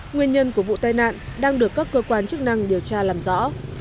nguyên nhân của vụ tai nạn đang được các cơ quan chức năng điều tra làm rõ